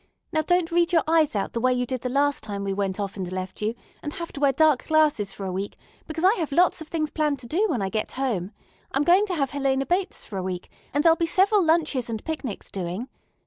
Now don't read your eyes out the way you did the last time we went off and left you, and have to wear dark glasses for a week, because I have lots of things planned to do when I get home. I'm going to have Helena Bates for a week, and there'll be several lunches and picnics doing.